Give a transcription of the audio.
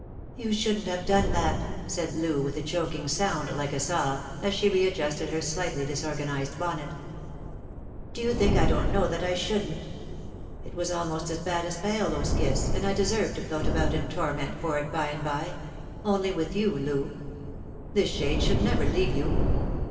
" You shouldn't have done that," said Loo, with a choking sound like a sob, as she readjusted her slightly disorganised bonnet. " Do you think I don't know that I shouldn't ? It was almost as bad as Paolo's kiss, and I deserve to float about in torment for it by and by — only with you, Loo. This shade should never leave you.